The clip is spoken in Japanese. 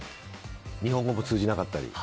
日本語も通じなかったり。